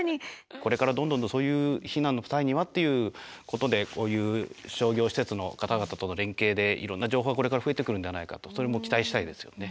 これからどんどんとそういう避難の際にはということでこういう商業施設の方々との連携でいろんな情報がこれから増えてくるんではないかとそれも期待したいですよね。